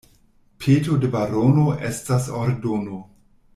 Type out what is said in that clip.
Peto de barono estas ordono.